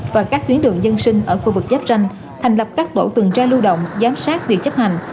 và các tuyến đường dân sinh ở khu vực giáp ranh thành lập các tổ tuần tra lưu động giám sát việc chấp hành